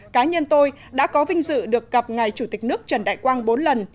cá nhân tôi đã có vinh dự được gặp ngài chủ tịch nước trần đại quang bốn lần